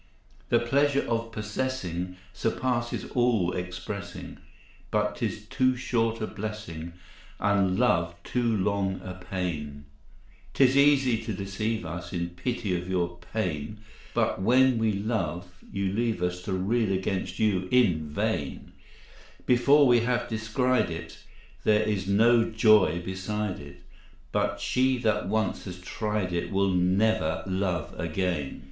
The pleasure of possessing Surpasses all expressing, But 'tis too short a blessing, And love too long a pain. 'Tis easy to deceive us In pity of your pain, But when we love, you leave us To rail at you in vain. Before we have descried it, There is no joy beside it, But she that once has tried it Will never love again.